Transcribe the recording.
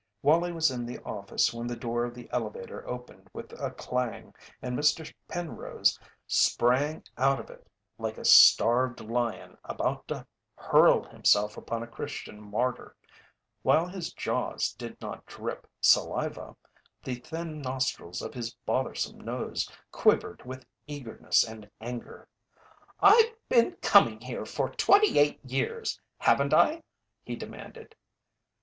Wallie was in the office when the door of the elevator opened with a clang and Mr. Penrose sprang out of it like a starved lion about to hurl himself upon a Christian martyr. While his jaws did not drip saliva, the thin nostrils of his bothersome nose quivered with eagerness and anger. "I've been coming here for twenty eight years, haven't I?" he demanded.